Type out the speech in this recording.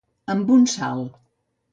Amb un salt.